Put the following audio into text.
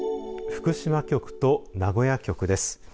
福島局と名古屋局です。